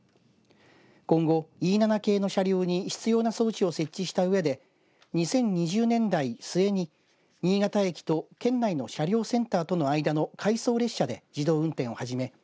今後Ｅ７系の車両に必要な装置を設置したうえで２０２０年代末に新潟駅と県内の車両センターとの間の回送列車で自動運転を始め